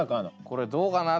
これどうかな？